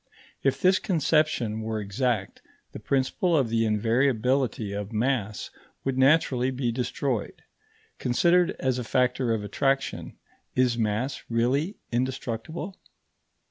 If this conception were exact, the principle of the invariability of mass would naturally be destroyed. Considered as a factor of attraction, is mass really indestructible?